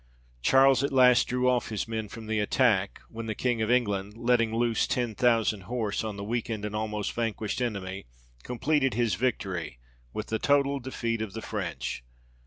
Charles at last drew off his men from the attack, when the King of England, letting loose ten thousand horse, on the weakened, and almost vanquished enemy, completed his victory, with the total defeat of the French.